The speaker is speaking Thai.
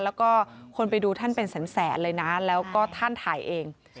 แล้วก็คนไปดูท่านเป็นแสนเลยนะแล้วก็ท่านถ่ายเอง